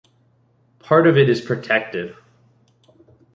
Part of it is protected.